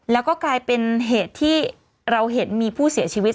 แล้วก็กลายเป็นเหตุที่เราเห็นมีผู้เสียชีวิต